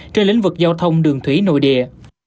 trên lĩnh vực giao thông đường thủy nội địa